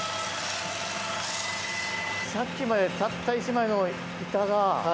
さっきまで１枚の板が。